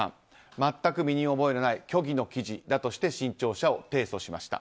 全く身に覚えのない虚偽の記事だとして新潮社を提訴しました。